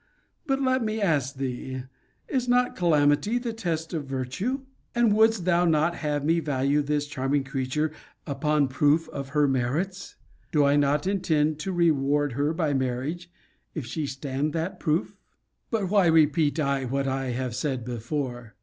But let me ask thee, Is not calamity the test of virtue? And wouldst thou not have me value this charming creature upon proof of her merits? Do I not intend to reward her by marriage, if she stand that proof? But why repeat I what I have said before?